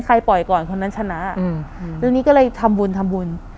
ปล่อยก่อนคนนั้นชนะเรื่องนี้ก็เลยทำบุญทำบุญ